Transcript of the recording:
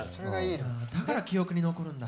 だから記憶に残るんだ。